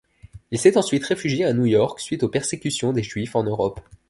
Il s'est ensuite réfugié à New York suite aux persécutions des Juifs en Europe.